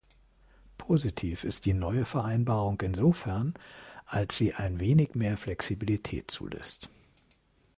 Positiv ist die neue Vereinbarung insofern, als sie ein wenig mehr Flexibilität zulässt.